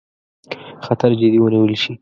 خطر جدي ونیول شي.